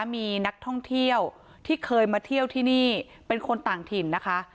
มีนักท่องเที่ยวที่เคยมาเที่ยวที่นี่เป็นคนต่างถิ่นนะคะ